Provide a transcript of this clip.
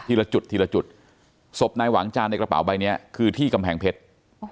ละจุดทีละจุดศพนายหวังจานในกระเป๋าใบเนี้ยคือที่กำแพงเพชร